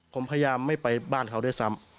ผมพยายามไม่ไปบ้านเขาด้วยซ้ำ